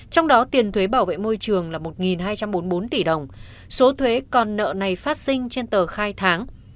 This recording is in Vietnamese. trong đó tiền thuế bảo vệ môi trường là một hai trăm bốn mươi bốn tỷ đồng số thuế còn nợ này phát sinh trên tờ khai tháng